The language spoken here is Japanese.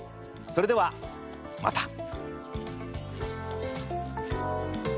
それではまた。